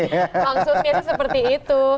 langsung jadi seperti itu